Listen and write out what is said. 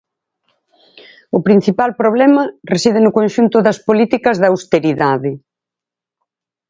O principal problema reside no conxunto das políticas de austeridade.